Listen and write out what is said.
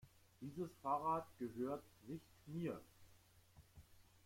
Dieses Fahrrad gehört nicht mir.